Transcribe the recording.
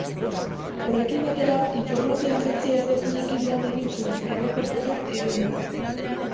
Horrekin batera, informazio-agentzia ezberdinekin lan egin zuen, erreportajeak eginaz.